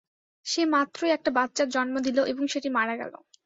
সে মাত্রই একটা বাচ্চার জন্ম দিলো এবং সেটি মারা গেল।